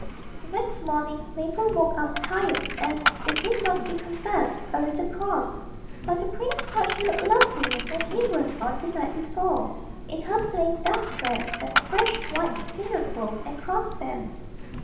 The next morning Mabel woke up tired, and, if it must be confessed, a little cross; but the prince thought she looked lovelier than even on the night before, in her plain dark dress and fresh white pinafore and crossbands.